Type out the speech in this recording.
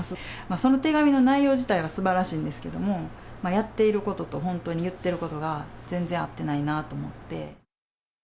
その手紙の内容自体はすばらしいんですけれども、やっていることと本当にいってることが全然合ってないなと思って。